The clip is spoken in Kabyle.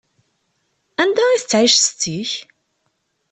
Anda i tettɛic setti-k?